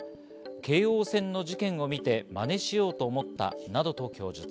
京王線の事件を見てまねしようと思ったなどと供述。